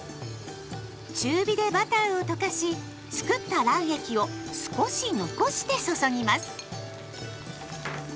中火でバターを溶かし作った卵液を少し残して注ぎます。